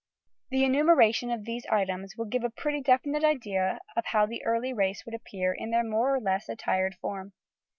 The enumeration of these items will give a pretty definite idea of how the early race would appear in their more or less attired form.